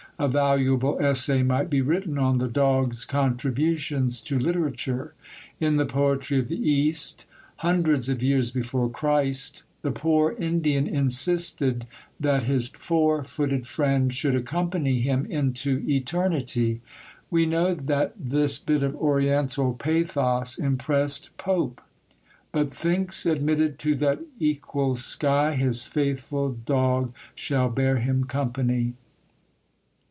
A valuable essay might be written on the dog's contributions to literature; in the poetry of the East, hundreds of years before Christ, the poor Indian insisted that his four footed friend should accompany him into eternity. We know that this bit of Oriental pathos impressed Pope: "But thinks, admitted to that equal sky, His faithful dog shall bear him company."